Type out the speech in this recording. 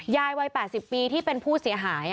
ยายวัย๘๐ปีที่เป็นผู้เสียหาย